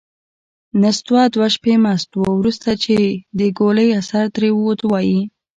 نستوه دوه شپې مست و. وروسته چې د ګولۍ اثر ترې ووت، وايي: